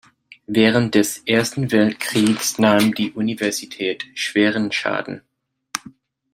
Während des Ersten Weltkriegs nahm die Universität schweren Schaden.